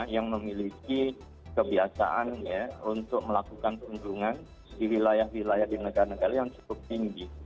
yang memiliki kebiasaan untuk melakukan kunjungan di wilayah wilayah di negara negara yang cukup tinggi